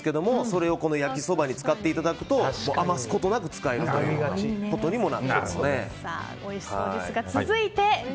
それを焼きそばに使っていただくと余すことなく使えるということにも。